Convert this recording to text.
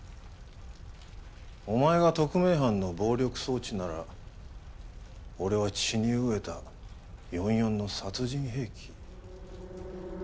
お前が特命班の暴力装置なら俺は血に飢えた４４の殺人兵器。